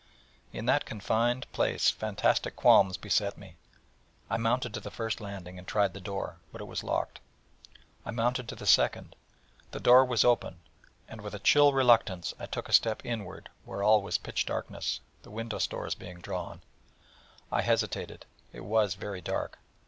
In that confined place fantastic qualms beset me; I mounted to the first landing, and tried the door, but it was locked; I mounted to the second: the door was open, and with a chill reluctance I took a step inward where all was pitch darkness, the window stores being drawn. I hesitated: it was very dark.